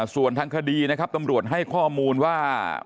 ส่วนทางคดีนะครับตำรวจให้ข้อมูลว่า